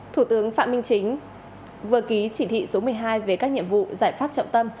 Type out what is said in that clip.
thủ tướng phạm minh chính vừa ký chỉ thị số một mươi hai về các nhiệm vụ giải pháp trọng tâm